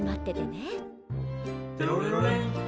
「テロレロレン」